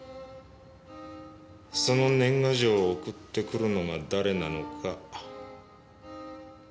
その年賀状を送ってくるのが誰なのか。